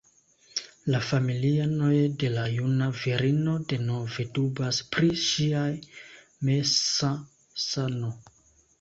La familianoj de la juna virino denove dubas pri ŝia mensa sano.